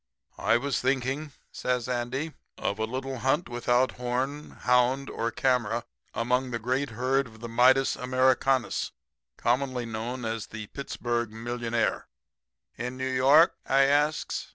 "'I was thinking,' says Andy, 'of a little hunt without horn, hound or camera among the great herd of the Midas Americanus, commonly known as the Pittsburg millionaires.' "'In New York?' I asks.